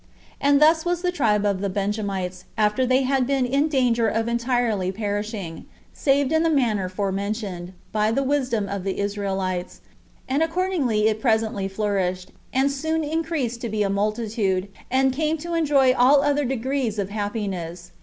And thus was this tribe of the Benjamites, after they had been in danger of entirely perishing, saved in the manner forementioned, by the wisdom of the Israelites; and accordingly it presently flourished, and soon increased to be a multitude, and came to enjoy all other degrees of happiness.